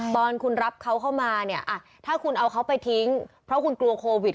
ตอนคุณรับเขาเข้ามาเนี่ยถ้าคุณเอาเขาไปทิ้งเพราะคุณกลัวโควิด